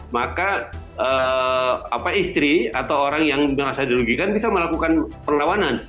maka istri atau orang yang merasa dirugikan bisa melakukan perlawanan